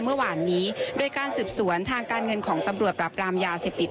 เมื่อวานนี้โดยการสืบสวนทางการเงินของตำรวจปราบรามยาเสพติด